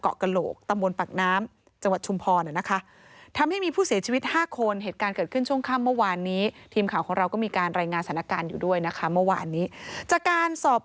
และคุณก็ลดสิ้นจากค่ำเอลังค์สบายด้านหลวงด้านทำงานให้เฮ้าที่ที่หาเวลาจะแบบนี้นะครับ